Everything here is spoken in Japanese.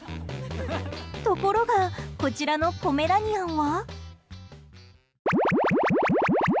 ところがこちらのポメラニアンは。